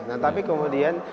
nah tapi kemudian